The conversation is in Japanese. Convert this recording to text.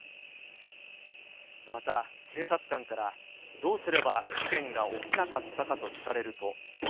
また、検察官から、どうすれば事件が起きなかったかと聞かれると。